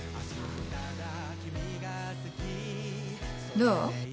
どう？